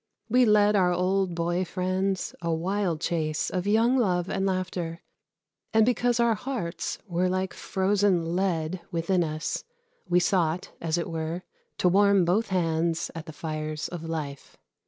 We led our old boy friends a wild chase of young love and laughter, and because our hearts were like frozen lead within us we sought, as it were, "to warm both hands at the fires of life."